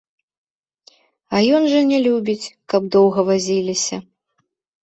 А ён жа не любіць, каб доўга вазіліся.